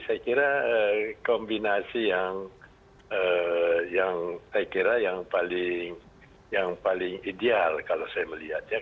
saya kira kombinasi yang paling ideal kalau saya melihat ya